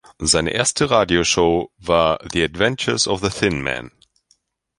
Seine erste Radioshow war "The Adventures of the Thin Man".